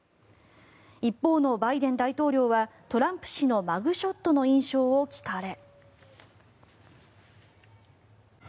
一方のバイデン大統領はトランプ氏のマグショットの印象を聞かれ。